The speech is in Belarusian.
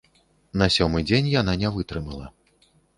На сёмы дзень яна не вытрымала.